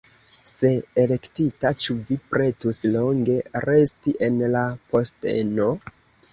Se elektita, ĉu vi pretus longe resti en la posteno?